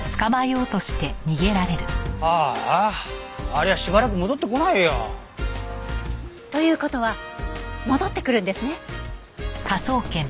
ああありゃしばらく戻ってこないよ。という事は戻ってくるんですね？